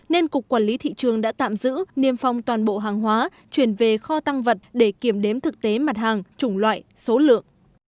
nên cục quản lý thị trường đã tạm giữ niêm phong toàn bộ hàng hóa chuyển về kho tăng vật để kiểm đếm thực tế mặt hàng chủng loại số lượng